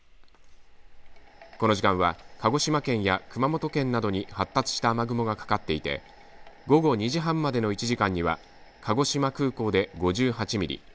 この時間は鹿児島県や熊本県などに発達した雨雲がかかっていて午後２時半までの１時間には鹿児島空港で５８ミリ